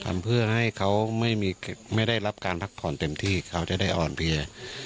ทำเพื่อให้เขาไม่ได้รับการพักผ่อนเต็มที่เขาจะได้อ่อนเพลีย